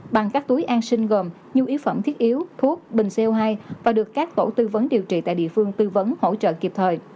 bằng các túi an sinh gồm nhu yếu phẩm thiết yếu thuốc bình co hai và được các tổ tư vấn điều trị tại địa phương tư vấn hỗ trợ kịp thời